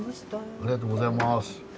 ありがとうございます。